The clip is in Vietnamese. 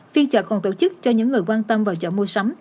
phiên chợ còn tổ chức cho những người quan tâm vào chợ mua sắm